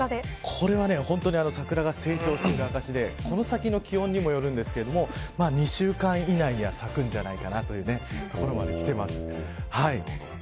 これは桜が成長している証でこの先の気温にもよるんですけど２週間以内には咲くんじゃないかなというところまできてます。